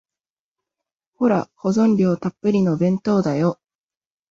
ほら、保存料たっぷりの弁当だよ。